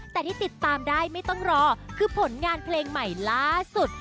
แต่ที่ติดตามได้ไม่ต้องรอคือผลงานเพลงใหม่ล่าสุด